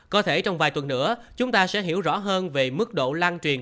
có thể trong vài tuần nữa chúng ta sẽ hiểu rõ hơn về mức độ lan truyền